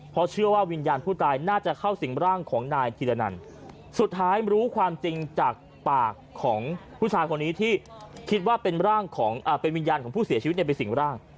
เพราะเชื่อว่าวิญญาณผู้ตายน่าจะเข้าสิ่งร่างของนายธีรนันสุดท้ายรู้ความจริงจากปากของผู้ชายคนนี้ที่คิดว่าเป็นร่างของเป็นวิญญาณของผู้เสียชีวิตในสิ่งร่าง